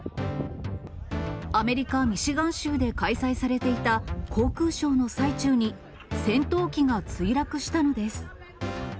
アメリカ・ミシガン州で開催されていた航空ショーの最中に、戦闘機が墜落したのです。